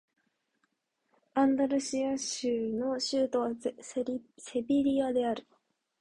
アンダルシア州の州都はセビリアである